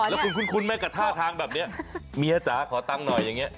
แล้วคุณคุ้นไหมกับท่าทางแบบนี้เมียจ๋าขอตังค์หน่อยอย่างนี้